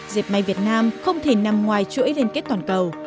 diệp may việt nam không thể nằm ngoài chuỗi liên kết toàn cầu